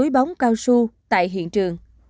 bóng cao su tại hiện trường